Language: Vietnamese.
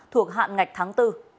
thuộc hạn ngạch tháng bốn